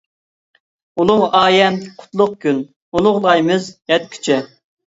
ئۇلۇغ ئايەم قۇتلۇق كۈن، ئۇلۇغلايمىز يەتكۈچە.